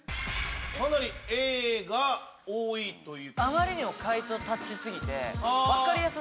かなりＡが多いという。